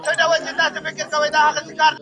نه گناه کوم، نه توبه کاږم.